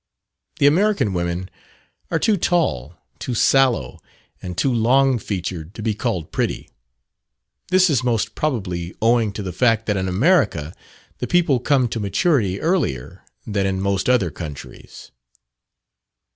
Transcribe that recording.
The American women are too tall, too sallow, and too long featured to be called pretty. This is most probably owing to the fact that in America the people come to maturity earlier than in most other countries.